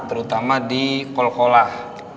terutama di kol kolah